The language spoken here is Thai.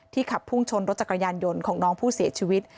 ขับพุ่งชนรถจักรยานยนต์ของน้องผู้เสียชีวิต